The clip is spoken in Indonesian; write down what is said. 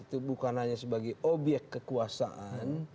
itu bukan hanya sebagai obyek kekuasaan